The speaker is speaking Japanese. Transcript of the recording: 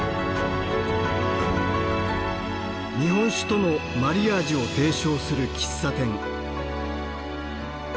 日本酒とのマリアージュを提唱する喫茶店。